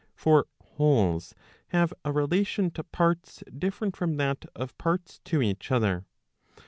For wholes have a relation to parts different from that of parts to each other.